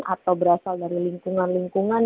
atau berasal dari lingkungan lingkungan